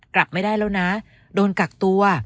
กลับไม่ได้แล้วนะโดนกักตัว